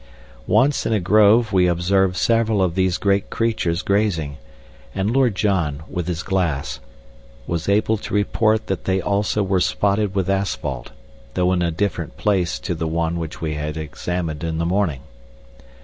Once in a grove we observed several of these great creatures grazing, and Lord John, with his glass, was able to report that they also were spotted with asphalt, though in a different place to the one which we had examined in the morning.